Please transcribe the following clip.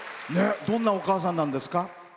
どんなお母さんなんですか？